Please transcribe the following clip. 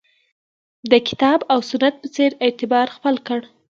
د کتاب او سنت په څېر اعتبار خپل کړ